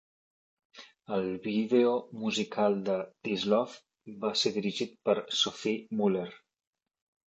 El vídeo musical de "This Love" va ser dirigit per Sophie Muller.